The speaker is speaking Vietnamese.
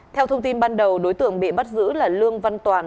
theo thông tin ban đầu đối tượng bị bắt giữ là lương văn toàn